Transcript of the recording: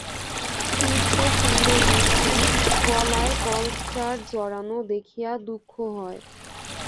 শুষ্ক শীর্ণ মূর্তি, গলায় কল্ফর্টার জড়ানো, দেখিয়া দুঃখ হয়।